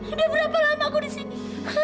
udah berapa lama aku disini